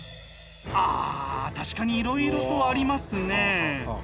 あ確かにいろいろとありますね。